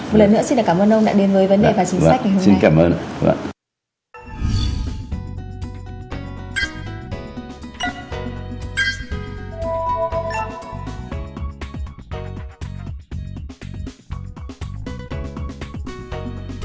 một lần nữa xin cảm ơn ông đã đến với vấn đề và chính xác